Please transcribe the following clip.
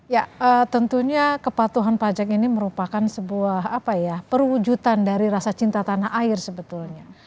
ya tentunya kepatuhan pajak ini merupakan sebuah perwujudan dari rasa cinta tanah air sebetulnya